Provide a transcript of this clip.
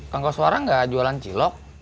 kang koswara enggak jualan cilok